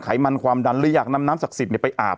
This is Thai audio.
ไขมันความดันเลยอยากนำน้ำศักดิ์สิทธิ์เนี้ยไปอาบ